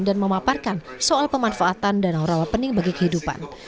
dan memaparkan soal pemanfaatan danau rawa pening bagi kehidupan